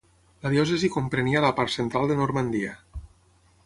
La diòcesi comprenia la part central de Normandia.